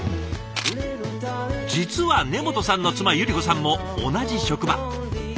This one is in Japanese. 実は根本さんの妻百合子さんも同じ職場。